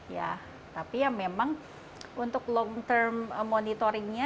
ya tapi ya memang untuk long term monitoringnya